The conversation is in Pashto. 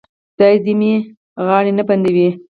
خدای مې دې غاړه نه بندوي.